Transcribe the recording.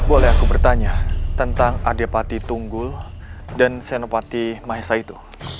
boleh aku bertanya tentang adepati tunggul dan senopati mahesa itu